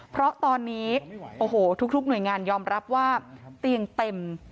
เพราะตอนนี้โอ้โหทุกหน่วยงานยอมรับว่าเตียงเต็ม